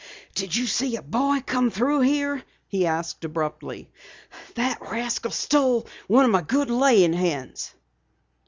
"Did you see a boy come through here?" he asked abruptly. "The rascal stole one of my good layin' hens."